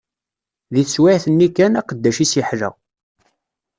Di teswiɛt-nni kan, aqeddac-is iḥla.